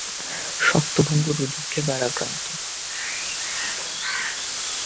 শক্ত, ভঙ্গুর এবং দুঃখে ভারাক্রান্ত।